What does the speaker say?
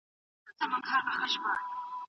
لابراتور څېړنه تجربات او ازموینې لري.